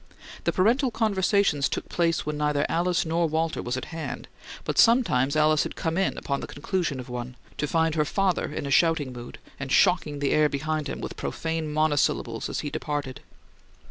The parental conversations took place when neither Alice nor Walter was at hand, but sometimes Alice had come in upon the conclusion of one, to find her father in a shouting mood, and shocking the air behind him with profane monosyllables as he departed.